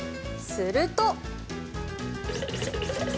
すると。